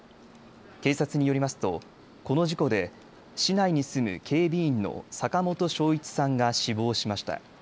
警察によりますとこの事故で市内に住む警備員の坂本正一さんが死亡しました。